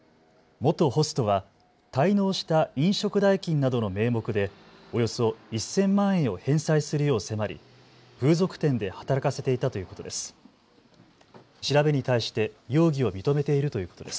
元ホストは滞納した飲食代金などの名目でおよそ１０００万円を返済するよう迫り風俗店で働かせていたということです。